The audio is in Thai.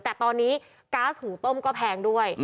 แต่ตอนนี้ก๊าซหุงต้มก็แพงด้วย